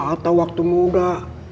atau waktu muda